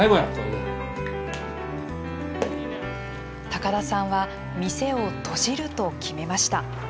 高田さんは店を閉じると決めました。